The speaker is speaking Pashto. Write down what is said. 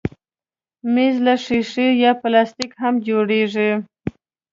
مېز له ښيښه یا پلاستیک هم جوړېږي.